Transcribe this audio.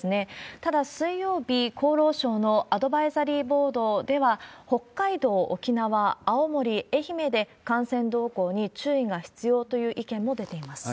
ただ、水曜日、厚労省のアドバイザリーボードでは、北海道、沖縄、青森、愛媛で感染動向に注意が必要という意見も出ています。